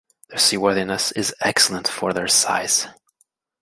Their seaworthiness is excellent for their size.